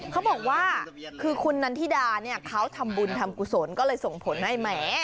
เขาบอกว่าคือคุณนันทิดาเนี่ยเขาทำบุญทำกุศลก็เลยส่งผลให้แหม